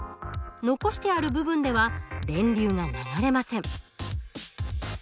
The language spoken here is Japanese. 残してある部分では電流が流れません。